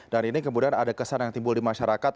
dan ini kemudian ada kesan yang timbul di masyarakat